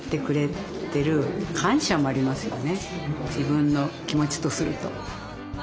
自分の気持ちとすると。